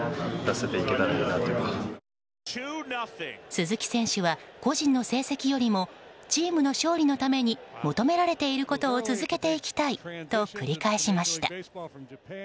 鈴木選手は個人の成績よりもチームの勝利のために求められていることを続けていきたいと繰り返しました。